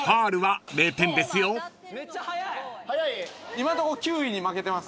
今んとこ球威に負けてます。